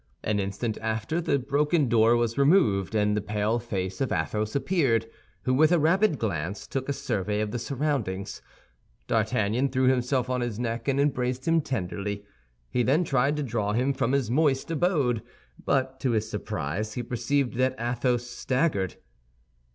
An instant after, the broken door was removed, and the pale face of Athos appeared, who with a rapid glance took a survey of the surroundings. D'Artagnan threw himself on his neck and embraced him tenderly. He then tried to draw him from his moist abode, but to his surprise he perceived that Athos staggered.